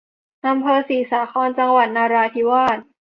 อำเภอศรีสาคร จังหวัดนราธิวาส